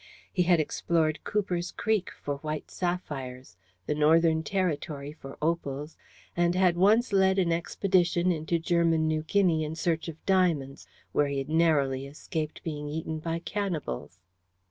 He had explored Cooper's Creek for white sapphires, the Northern Territory for opals, and had once led an expedition into German New Guinea in search of diamonds, where he had narrowly escaped being eaten by cannibals.